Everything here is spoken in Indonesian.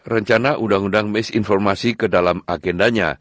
rencana undang undang misinformasi ke dalam agendanya